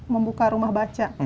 membuka rumah baca